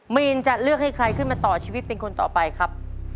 มีนจะเลือกให้ใครขึ้นมาต่อชีวิตเป็นคนต่อไปครับ